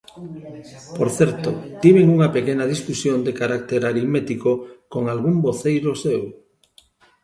Por certo, tiven unha pequena discusión de carácter aritmético con algún voceiro seu.